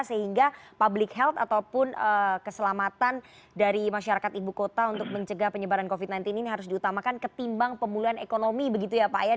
sehingga public health ataupun keselamatan dari masyarakat ibu kota untuk mencegah penyebaran covid sembilan belas ini harus diutamakan ketimbang pemulihan ekonomi begitu ya pak ya